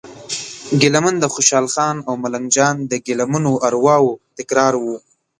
ګیله من د خوشال خان او ملنګ جان د ګیله منو ارواوو تکرار و.